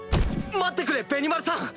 待ってくれベニマルさん！